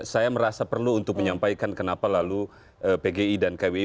saya merasa perlu untuk menyampaikan kenapa lalu pgi dan kwi